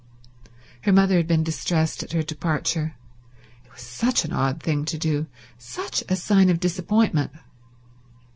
Her mother had been distressed at her departure. It was such an odd thing to do, such a sign of disappointment.